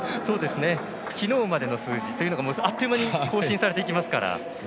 昨日までの数字というのがあっという間に更新されていきますから。